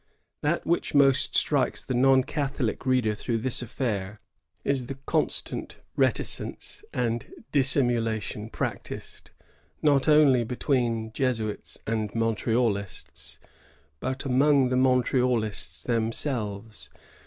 That which most strikes the non Catholic reader throughout this affair is the constant reticence and dissimulation practised, not only between Jesuits and Montrealists, but among the Montrealists themselves.